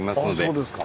そうですか。